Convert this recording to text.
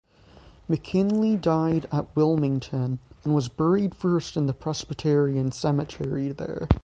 McKinly died at Wilmington and was buried first in the Presbyterian Cemetery there.